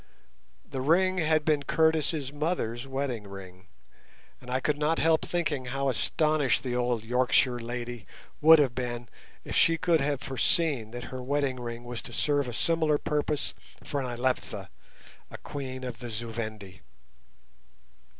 The ring had been Curtis' mother's wedding ring, and I could not help thinking how astonished the dear old Yorkshire lady would have been if she could have foreseen that her wedding ring was to serve a similar purpose for Nyleptha, a Queen of the Zu Vendi.